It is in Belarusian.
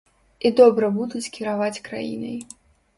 І добра будуць кіраваць краінай.